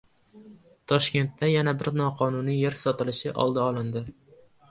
Toshkentda yana bir noqonuniy yer sotilishi oldi olindi